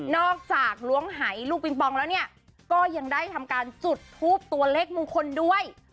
จากล้วงหายลูกปิงปองแล้วเนี่ยก็ยังได้ทำการจุดทูปตัวเลขมงคลด้วย